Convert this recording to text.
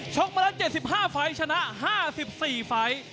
มาแล้ว๗๕ไฟล์ชนะ๕๔ไฟล์